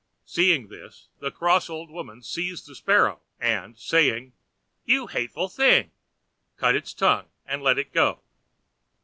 Seeing this, the cross old woman seized the Sparrow and, saying "You hateful thing!" cut its tongue and let it go.